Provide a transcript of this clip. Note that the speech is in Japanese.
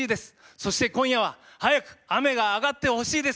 そして今夜は早く雨があがってほしいです。